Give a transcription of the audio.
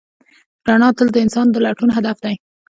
رڼا تل د انسان د لټون هدف دی.